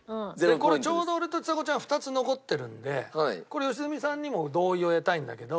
これちょうど俺とちさ子ちゃん２つ残ってるのでこれ良純さんにも同意を得たいんだけど。